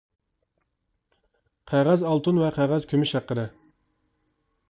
قەغەز ئالتۇن ۋە قەغەز كۈمۈش ھەققىدە!